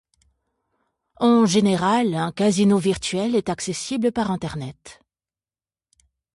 En général un casino virtuel est accessible par Internet.